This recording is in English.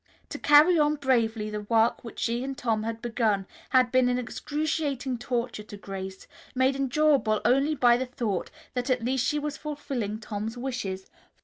To carry on bravely the work which she and Tom had begun had been an excruciating torture to Grace, made endurable only by the thought that at least she was fulfilling Tom's wishes.